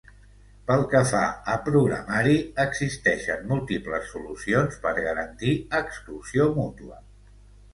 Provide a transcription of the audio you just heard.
Pel que fa a programari, existeixen múltiples solucions per garantir exclusió mútua.